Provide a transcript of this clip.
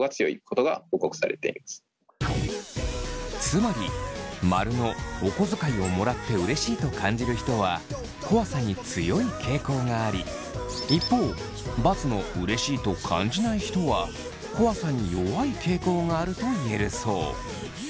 つまり○のお小遣いをもらってうれしいと感じる人は怖さに強い傾向があり一方×のうれしいと感じない人は怖さに弱い傾向があると言えるそう。